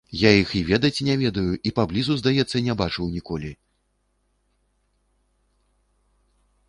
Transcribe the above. Я іх і ведаць не ведаю і паблізу, здаецца, не бачыў ніколі.